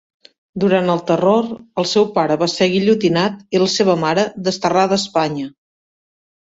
Durant el Terror el seu pare va ser guillotinat i la seva mare, desterrada a Espanya.